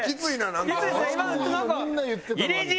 みんな言ってたのに。